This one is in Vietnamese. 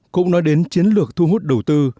cũng nói đến chiến lược thu hút đầu tư